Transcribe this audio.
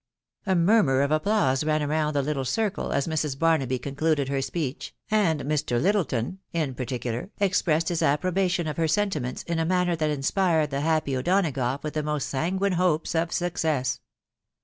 A murmur of applause ran round the little circle as Mrs. Barnaby concluded her speech, and Mr. Littleton, in particular, expressed his approbation of her sentiments in a manner that inspired the happy O'Donagough with the most sanguine hopes of success.